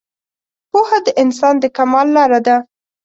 پوهه د انسان د کمال لاره ده